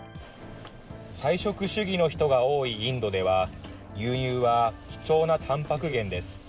菜食主義の人が多いインドでは、牛乳は貴重なタンパク源です。